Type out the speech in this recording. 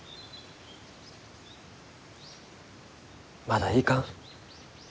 まだいかん。